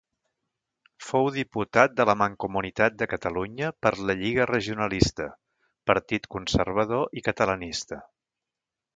Fou diputat de la Mancomunitat de Catalunya per la Lliga Regionalista, partit conservador i catalanista.